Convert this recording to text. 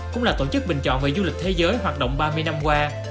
cũng là tổ chức bình chọn về du lịch thế giới hoạt động ba mươi năm qua